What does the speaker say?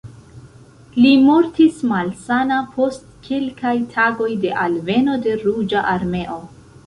Li mortis malsana post kelkaj tagoj de alveno de Ruĝa Armeo.